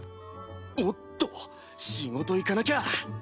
おっと仕事行かなきゃ。